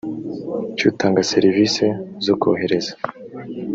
cy utanga serivisi zo kohereza